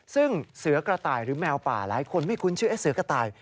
ซึ่งเสือกระต่ายหรือแมวป่าหลายคนไม่คุ้นชื่อเสือกระต่าย